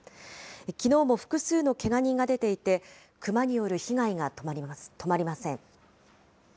きのうも複数のけが人が出ていて、クマによる被害が止まりません。